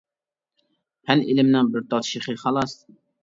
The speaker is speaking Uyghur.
پەن ئىلىمنىڭ بىر تال شېخى خالاس.